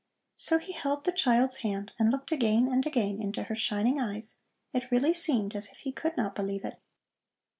So he held the child's hand and looked again and again into her shining eyes; it really seemed as if he could not believe it.